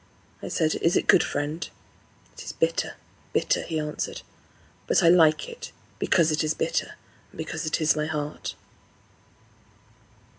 I said, "Is it good, friend?" "It is bitter bitter," he answered; "But I like it Because it is bitter, And because it is my heart."